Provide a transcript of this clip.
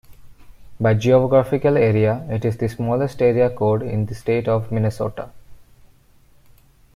By geographical area, it is the smallest area code in the state of Minnesota.